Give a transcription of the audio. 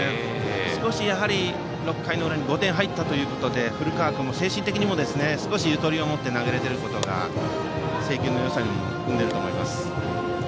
少し、６回の裏に５点入ったということで古川君も、精神的にも少しゆとりを持って投げられていることが制球のよさにつながっていると思います。